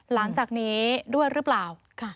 หลังจากนี้ด้วยหรือเปล่า